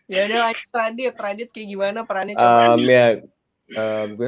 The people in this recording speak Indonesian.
ya udah lagi tradit tradit kayak gimana perannya